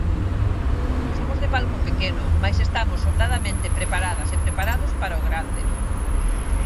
Somos de palco pequeno, mais estamos sobradamente preparadas e preparados para o grande.